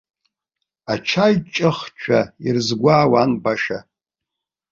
Ачаиҿыхцәа ирызгәаауан баша.